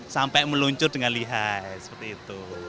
sampai meluncur dengan lihai seperti itu